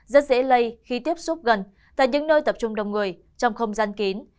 rất dễ lây khi tiếp xúc gần tại những nơi tập trung đông người trong không gian kín